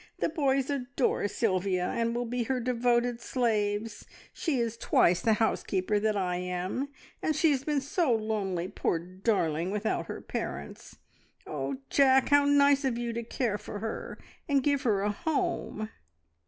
"The boys adore Sylvia, and will be her devoted slaves; she is twice the housekeeper that I am, and she has been so lonely, poor darling, without her parents. Oh, Jack, how nice of you to care for her, and give her a home!"